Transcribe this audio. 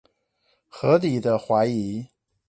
合理的懷疑